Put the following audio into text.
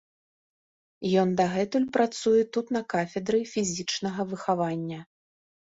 Ён дагэтуль працуе тут на кафедры фізічнага выхавання.